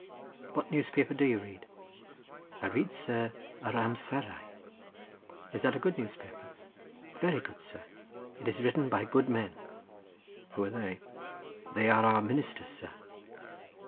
"What newspaper do you read?" "I read, sir, Yr Amserau." "Is that a good newspaper?" "Very good, sir; it is written by good men." "Who are they?" "They are our ministers, sir."